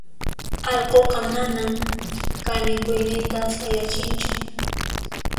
allquqa manan kanikuyninta sayachinchu.